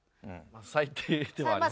最低ではありますね。